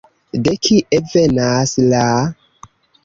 De kie venas la...